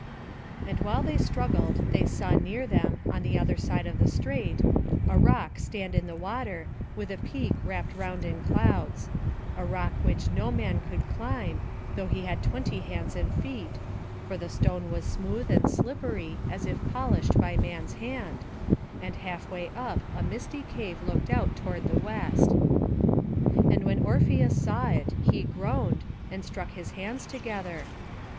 And while they struggled they saw near them, on the other side of the strait, a rock stand in the water, with a peak wrapt round in clouds; a rock which no man could climb, though he had twenty hands and feet, for the stone was smooth and slippery, as if polished by man's hand; and half way up a misty cave looked out toward the west. And when Orpheus saw it, he groaned, and struck his hands together.